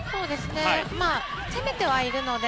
攻めてはいるので。